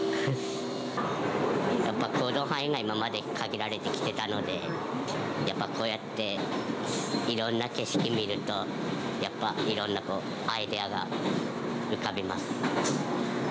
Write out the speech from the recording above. やっぱり行動範囲が今まで、限られてきてたので、やっぱこうやって、いろんな景色見ると、やっぱいろんなアイデアが浮かびます。